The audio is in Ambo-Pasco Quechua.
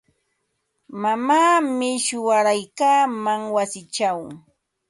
Mamaami shuwaraykaaman wasichaw.